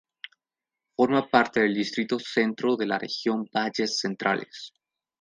Forma parte del Distrito Centro de la Región valles centrales.